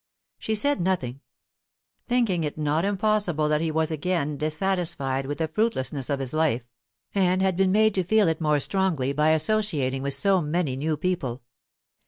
She said nothing, thinking it not impossible that he was again dissatisfied with the fruitlessness of his life, and had been made to feel it more strongly by associating with so many new people.